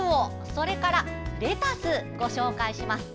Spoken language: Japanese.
それからレタスをご紹介します。